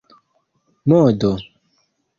modo